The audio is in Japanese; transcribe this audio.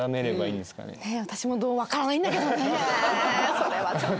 それはちょっと勉強。